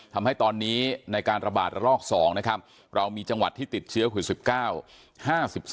ทำให้ตอนนี้ในการระบาดระลอก๒นะครับเรามีจังหวัดที่ติดเชื้อโควิด๑๙